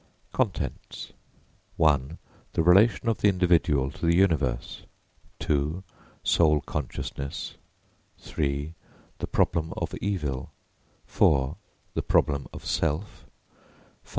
CONTENTS I. THE RELATION OF THE INDIVIDUAL TO THE UNIVERSE II. SOUL CONSCIOUSNESS III. THE PROBLEM OF EVIL IV. THE PROBLEM OF SELF V.